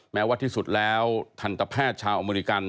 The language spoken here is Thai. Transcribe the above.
แม้ว่าที่สุดแล้วทันตแพทย์ชาวอเมริกัน